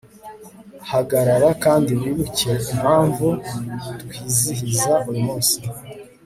hagarara kandi wibuke impamvu twizihiza uyu munsi